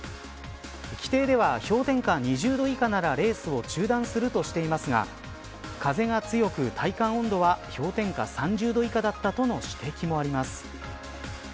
規定では、氷点下２０度以下ならレースを中断するとしていますが風が強く、体感温度は氷点下３０度以下だったとの指摘もあります。